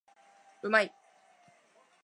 うまい